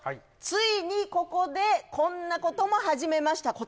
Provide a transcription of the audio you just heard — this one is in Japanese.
ついにここでこんなことも始めました